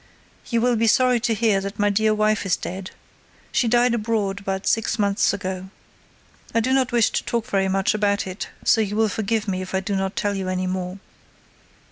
You will be sorry to hear that my dear wife is dead. She died abroad about six months ago. I do not wish to talk very much about it so you will forgive me if I do not tell you any more.